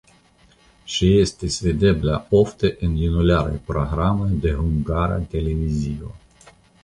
Ŝi estis videbla ofte en junularaj programoj de Hungara Televizio.